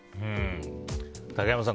竹山さん